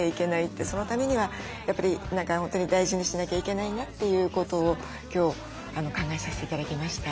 そのためにはやっぱり何か本当に大事にしなきゃいけないなということを今日考えさせて頂きました。